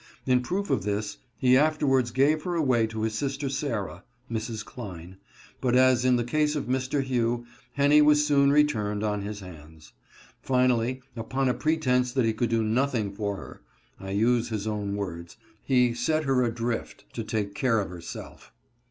In proof of this, he afterwards gave her away to his sister Sarah (Mrs. Cline), but as in the case of Mr. Hugh, Henny was soon returned on his hands. Finally, upon a pretense that he could do nothing for her (I use his own words), he " set her adrift to take care of herself."